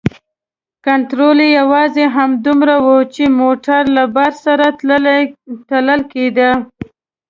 کنترول یې یوازې همدومره و چې موټر له بار سره تلل کیده.